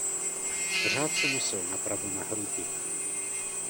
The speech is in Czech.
Řád se nosil napravo na hrudi.